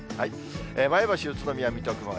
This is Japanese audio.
前橋、宇都宮、水戸、熊谷。